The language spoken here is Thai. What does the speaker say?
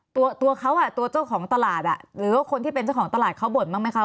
ตัวตัวเขาอ่ะตัวเจ้าของตลาดอ่ะหรือว่าคนที่เป็นเจ้าของตลาดเขาบ่นบ้างไหมคะ